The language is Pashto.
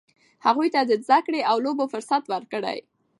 هغوی ته د زده کړې او لوبو فرصت ورکړئ.